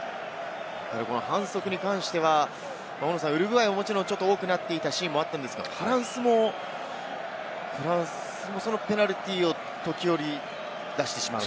反則に関してはウルグアイはもちろんちょっと多くなっていたシーンもあったんですが、フランスもペナルティーを時折、出してしまう。